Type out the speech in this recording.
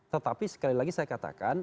tetapi sekali lagi saya katakan